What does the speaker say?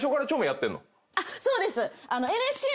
そうです。